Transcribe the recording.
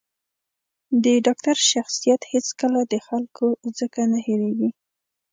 د ډاکتر شخصیت هېڅکله د خلکو ځکه نه هېرېـږي.